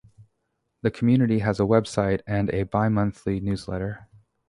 The community has a website and a bi-monthly newsletter.